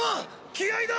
気合いだ！